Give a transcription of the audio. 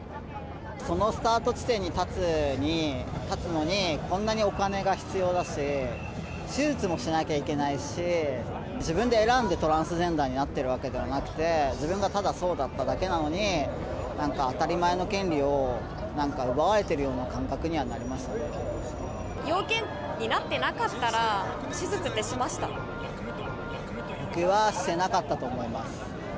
そのスタート地点に立つのに、こんなにお金が必要だし、手術もしなきゃいけないし、自分で選んでトランスジェンダーになってるわけではなくて、自分がただそうだっただけなのに、なんか当たり前の権利を奪われて要件になってなかったら、僕はしてなかったと思います。